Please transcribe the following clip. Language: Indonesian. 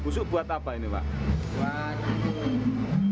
busuk buat apa ini pak